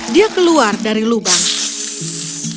dia keluar dari lubang